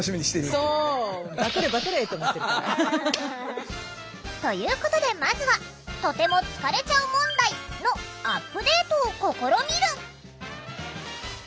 そう。ということでまずは「とても疲れちゃう問題」のアップデートを試みる！